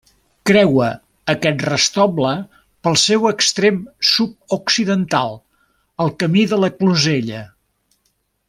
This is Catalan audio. Creua aquest restoble, pel seu extrem sud-occidental, el Camí de la Closella.